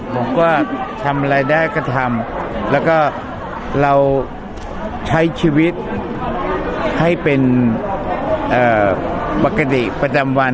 ผมก็ทำอะไรได้ก็ทำแล้วก็เราใช้ชีวิตให้เป็นปกติประจำวัน